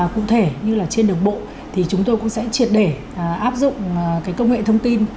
cụ thể như là trên đường bộ thì chúng tôi cũng sẽ triệt để áp dụng công nghệ thông tin